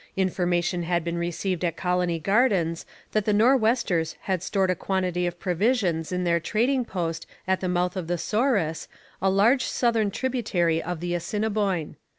Information had been received at Colony Gardens that the Nor'westers had stored a quantity of provisions in their trading post at the mouth of the Souris, a large southern tributary of the Assiniboine.